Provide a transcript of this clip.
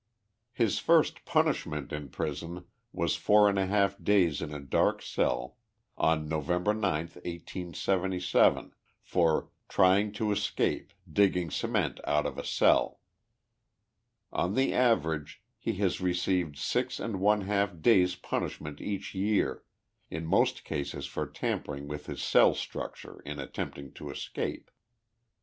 His first punishment in prison was four and a half days in a dark cell, on Nov. 9, 1S77, for 4 trying to escape, digging cement out of a cell.' On the average, he has received six and one lialf days' pun ishment each year, in most cases for tampering with his cell struc ture in attempting to escape.